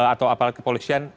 atau apalagi kepolisian